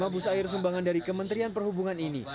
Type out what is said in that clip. lima bus air sumbangan dari kementerian perhubungan ini